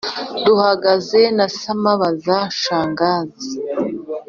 duhagaze nasamaBaza Shangazi